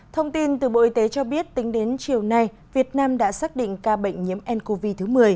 thông tin từ bộ y tế cho biết tính đến chiều nay việt nam đã xác định ca bệnh nhiễm ncov thứ một mươi